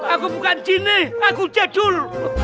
aku bukan cine aku jadul